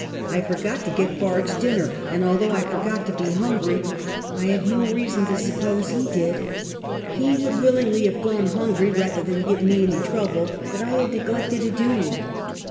I forgot to get Bard's dinner, and, althongh I forgot to be hungry, I had no reason to suppose he did. He would willing ly have gone hungry, rather than give any one trouble; but I had neglected a duty.